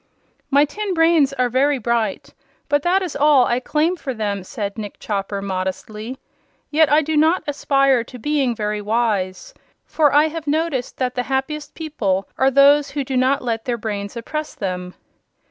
"My tin brains are very bright, but that is all I claim for them," said Nick Chopper, modestly. "Yet I do not aspire to being very wise, for I have noticed that the happiest people are those who do not let their brains oppress them."